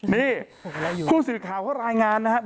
นี่ผู้สื่อข่าวเขารายงานนะครับ